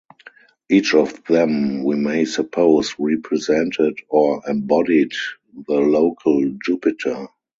Each of them, we may suppose, represented or embodied the local Jupiter.